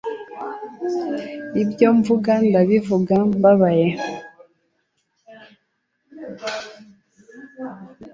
ibyo mvuga ndabivuga mbabaye